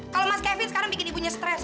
kalau mas kevin sekarang bikin ibunya stres